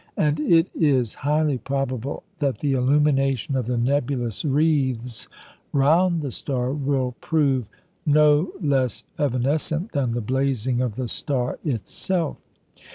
And it is highly probable that the illumination of the nebulous wreaths round the star will prove no less evanescent than the blazing of the star itself.